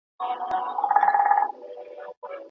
پرواز په پردي وزر